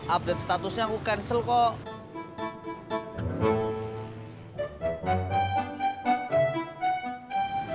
update statusnya aku cancel kok